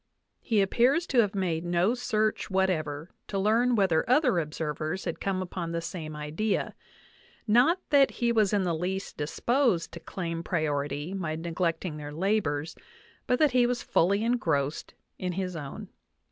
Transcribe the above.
He appears to have made no search whatever to learn whether other observers had come upon the same idea ; not that he was in the least disposed to claim priority by neglecting their labors, but that he was fully engrossed in his own.